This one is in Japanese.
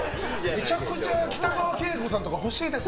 むちゃくちゃ北川景子さんとか欲しいです！